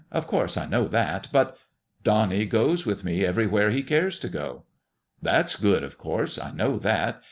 " Of course, I know that. But "" Donnie goes with me everywhere he cares to go." " That's good ! Of course, I know that.